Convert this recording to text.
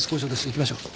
行きましょう。